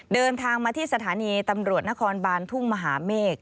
เดินทางมาที่สถานีตำรวจนครบานทุ่งมหาเมฆ